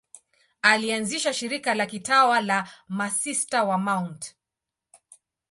Alianzisha shirika la kitawa la Masista wa Mt.